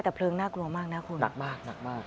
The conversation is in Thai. แต่เฟลงหน้ากลัวมากนะคุณหนักมาก